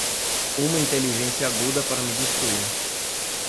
Uma inteligência aguda para me destruir